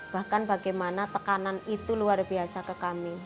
bahkan bagaimana tekanan itu luar biasa ke kami